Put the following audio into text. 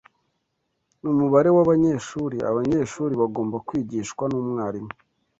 Numubare wabanyeshuri abanyeshuri bagomba kwigishwa numwarimu